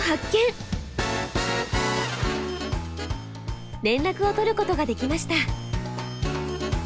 連絡を取ることができました。